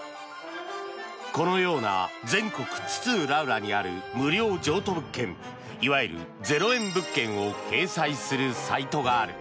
このような全国津々浦々にある無料譲渡物件いわゆる０円物件を掲載するサイトがある。